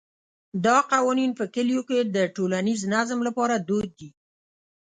دا قوانین په کلیو کې د ټولنیز نظم لپاره دود دي.